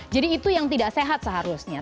jadi itu yang tidak sehat seharusnya